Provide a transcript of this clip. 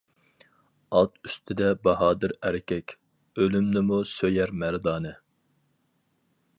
ئات ئۈستىدە باھادىر ئەركەك، ئۆلۈمنىمۇ سۆيەر مەردانە.